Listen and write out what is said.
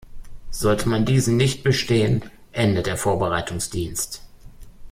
Sollte man diesen nicht bestehen, endet der Vorbereitungsdienst.